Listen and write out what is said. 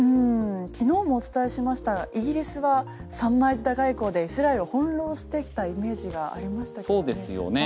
昨日もお伝えしましたがイギリスは三枚舌外交でイスラエルを翻弄してきたそうですよね。